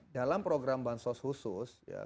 dalam program bansos khusus